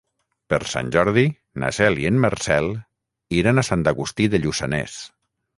Per Sant Jordi na Cel i en Marcel iran a Sant Agustí de Lluçanès.